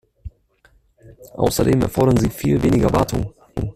Außerdem erfordern sie viel weniger Wartung.